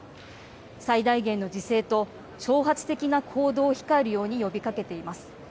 最大限の自制と挑発的な行動を控えるように呼びかけています。